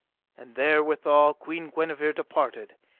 And therewithal Queen Guenever departed.